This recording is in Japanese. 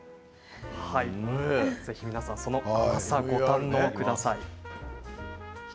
ぜひ皆さんその甘さご堪能ください。